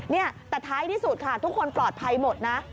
นี่แต่ท้ายที่สุดค่ะทุกคนปลอดภัยหมดนะ